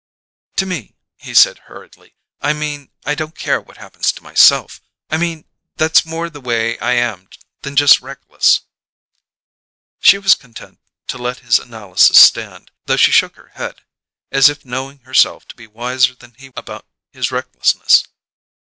"To me," he said hurriedly. "I mean I don't care what happens to myself. I mean that's more the way I am than just reckless." She was content to let his analysis stand, though she shook her head, as if knowing herself to be wiser than he about his recklessness.